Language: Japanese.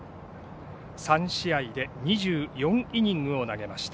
３試合で２４イニングを投げました。